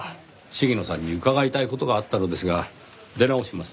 鴫野さんに伺いたい事があったのですが出直します。